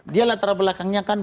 dia latar belakangnya kan